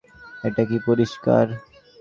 এটা কি পরিস্কার?